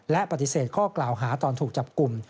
และปฏิเสธข้อกล่าวหาตอนถูกจับกลุ่ม